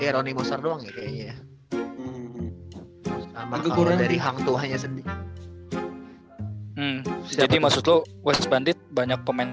roni mosar doang ya sama kakak dari hangtu hanya sendiri jadi maksud lo west bandit banyak pemain